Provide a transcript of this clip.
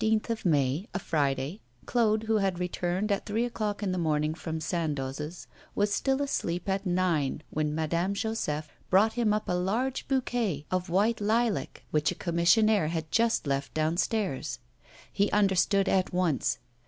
V ON the 15th May, a Friday, Claude, who had returned at three o'clock in the morning from Sandoz's, was still asleep at nine, when Madame Joseph brought him up a large bouquet of white lilac which a commissionaire had just left downstairs. He understood at once.